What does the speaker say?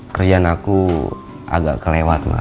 kerjaan aku agak kelewat mas